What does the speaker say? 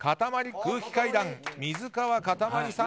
空気階段、水川かたまりさん。